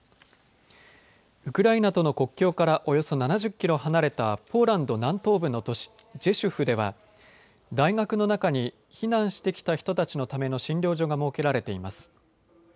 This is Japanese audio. ウクライナとの国境からおよそ７０キロ離れたポーランド南東部の都市、ジェシュフでは大学の中に避難してきた人たちのための診療所が設けられています。